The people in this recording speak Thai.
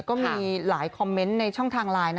ก็มีหลายคอมเมนต์ในช่องทางไลน์นะ